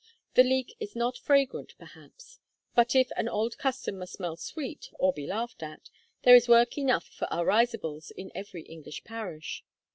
The leek is not fragrant, perhaps; but if an old custom must smell sweet or be laughed at, there is work enough for our risibles in every English parish.